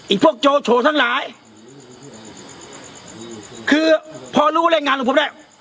อีกพวกโจโฉทั้งหลายคือพอรู้ว่าเล่นงานลุงพลแหละ